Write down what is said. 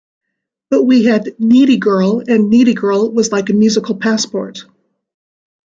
But we had "Needy Girl", and "Needy Girl" was like a musical passport.